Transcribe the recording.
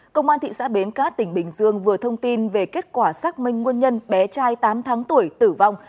công an thị xã bến cát tỉnh bình dương vừa thông tin về kết quả xác minh nguồn nhân bé trai tám tháng tuổi tử vong